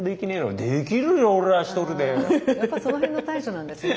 やっぱその辺の対処なんですね。